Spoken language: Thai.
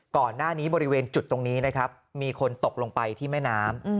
ก่อนหน้านี้บริเวณจุดตรงนี้นะครับมีคนตกลงไปที่แม่น้ำ